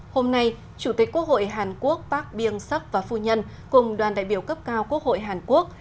hôm nay chủ tịch quốc hội hàn quốc bác biêng sắc và phu nhân cùng đoàn đại biểu cấp cao quốc hội hàn quốc